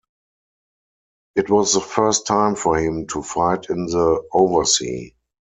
It was the first time for him to fight in the oversea.